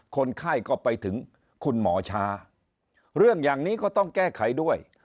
คนไข้ก็ไปถึงคุณหมอช้าเรื่องอย่างนี้ก็ต้องแก้ไขด้วย